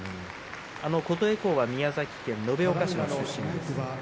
琴恵光は宮崎県延岡市の出身です。